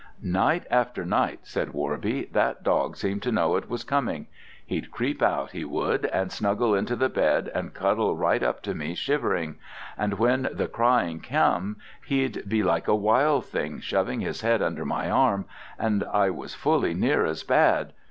"Night after night," said Worby, "that dog seemed to know it was coming; he'd creep out, he would, and snuggle into the bed and cuddle right up to me shivering, and when the crying come he'd be like a wild thing, shoving his head under my arm, and I was fully near as bad.